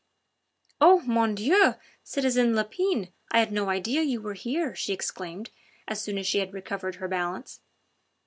"Oh, mon Dieu! citizen Lepine, I had no idea you were here," she exclaimed as soon as she had recovered her balance.